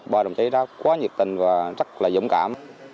bà đồng chí đã quá nhiệt tình và rất là dũng cảm